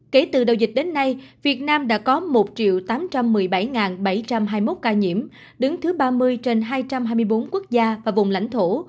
kể từ đầu dịch đến nay việt nam đã có một tám trăm một mươi bảy bảy trăm hai mươi một ca nhiễm đứng thứ ba mươi trên hai trăm hai mươi bốn quốc gia và vùng lãnh thổ